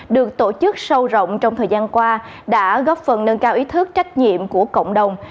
được tổ chức sâu rộng trong thời gian qua đã góp phần nâng cao ý thức trách nhiệm của cộng đồng